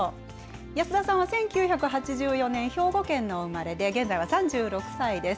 安田さんは１９８４年、兵庫県のお生まれで、現在は３６歳です。